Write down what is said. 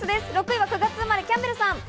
６位は９月生まれ、キャンベルさん。